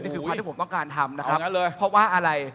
นี่คือความที่ผมต้องการทำนะครับเพราะว่าอะไร